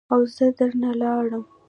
او زه در نه لاړم.